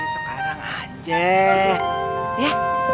sekarang aja ya